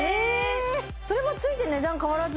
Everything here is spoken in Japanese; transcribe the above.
それも付いて値段変わらず？